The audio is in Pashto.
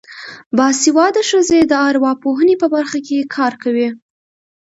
باسواده ښځې د ارواپوهنې په برخه کې کار کوي.